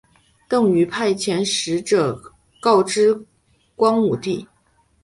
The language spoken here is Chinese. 邓禹派遣使者告知光武帝。